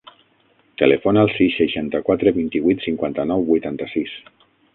Telefona al sis, seixanta-quatre, vint-i-vuit, cinquanta-nou, vuitanta-sis.